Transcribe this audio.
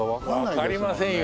わかりませんよ